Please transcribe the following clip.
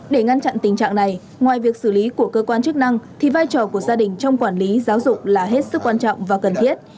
để ngăn chặn tình trạng này ngoài việc xử lý của cơ quan chức năng thì vai trò của gia đình trong quản lý giáo dục là hết sức quan trọng và cần thiết